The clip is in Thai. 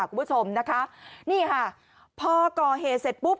คุณผู้ชมนะคะนี่ค่ะพอก่อเหตุเสร็จปุ๊บ